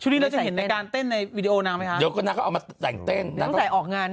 ชุดนี้จะเห็นให้ในการเต้นในวีดีโอไหมคะ